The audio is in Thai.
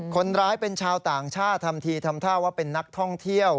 คนร้ายเป็นชาวต่างชาติทำทีทำท่าว่าเป็นนักท่องเที่ยว